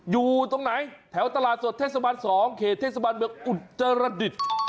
อยู่ตรงไหนแถวตลาดสดเทศบาล๒เขตเทศบาลเมืองอุตรดิษฐ์